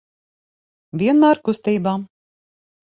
Vienmēr kustībā.